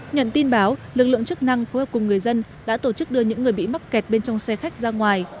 nhận tin báo lực lượng chức năng phối hợp cùng người dân đã tổ chức đưa những người bị mắc kẹt bên trong xe khách ra ngoài